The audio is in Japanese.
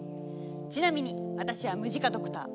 ちなみに私は「ムジカドクター」。